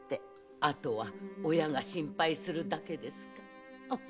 あとは親が心配するだけですか？